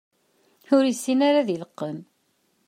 Ur yessin ara ad ileqqem.